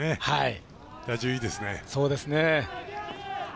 打順いいですね。